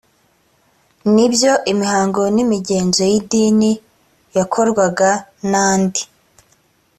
n ibyo imihango n imigenzo y idini yakorwaga n andi